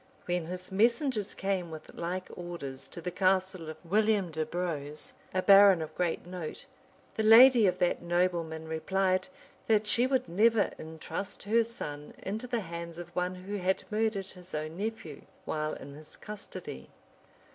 When his messengers came with like orders to the castle of William de Braouse, a baron of great note, the lady of that nobleman replied, that she would never intrust her son into the hands of one who had murdered his own nephew, while in his custody.